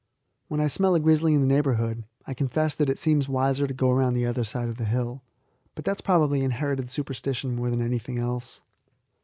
When I smell a grizzly in the neighbourhood, I confess that it seems wiser to go round the other side of the hill; but that is probably inherited superstition more than anything else.